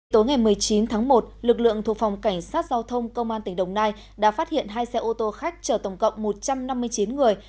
tối ngày một mươi chín tháng một lực lượng thuộc phòng cảnh sát giao thông công an tỉnh đồng nai đã phát hiện hai xe ô tô khách chở tổng cộng một trăm năm mươi chín người